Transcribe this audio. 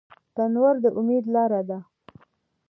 تنور د امید لاره ده